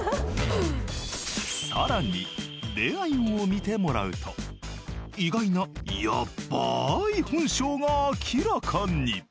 ［さらに恋愛運を見てもらうと意外なヤッバい本性が明らかに］